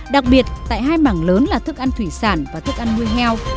đặc biệt tại hai mảng lớn là thức ăn thủy sản và thức ăn nuôi heo